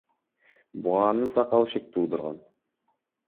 Буга анын сакалы шек туудурган.